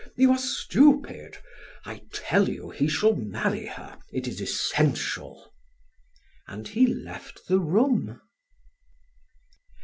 You are stupid! I tell you he shall marry her; it is essential." And he left the room.